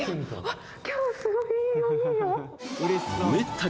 今日はすごくいいよいいよ